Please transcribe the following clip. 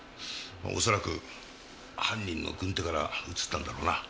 まぁおそらく犯人の軍手から移ったんだろうな。